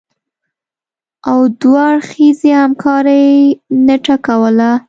او دوه اړخیزې همکارۍ نټه کوله